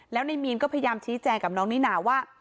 แล้วในมีนก็พยายามชี้แจงกับน้องนิน่าว่า